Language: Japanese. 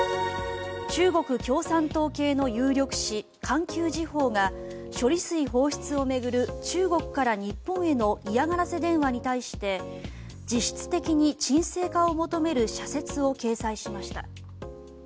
中国共産党系の有力紙環球時報が処理水放出を巡る中国から日本への嫌がらせ電話に対して実質的に鎮静化を求める社説を掲載しました。